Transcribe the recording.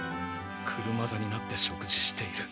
車座になって食事している。